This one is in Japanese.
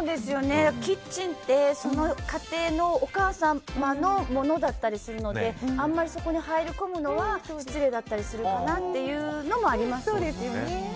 キッチンって、その家庭のお母様のものだったりするのであんまりそこに入り込むのは失礼だったりするかなというのもありますね。